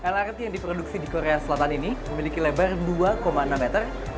lrt yang diproduksi di korea selatan ini memiliki lebar dua enam meter